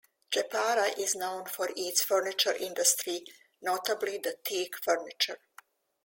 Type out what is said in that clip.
Jepara is known for its furniture industry, notably the teak furniture.